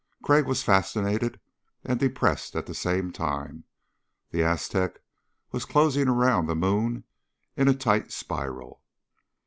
Crag was fascinated and depressed at the same time. The Aztec was closing around the moon in a tight spiral.